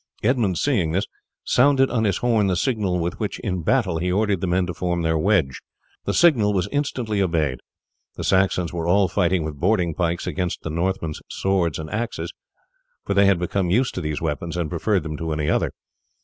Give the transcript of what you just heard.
Edmund, seeing this, sounded on his horn the signal with which in battle he ordered the men to form their wedge. The signal was instantly obeyed. The Saxons were all fighting with boarding pikes against the Northmen's swords and axes, for they had become used to these weapons and preferred them to any other.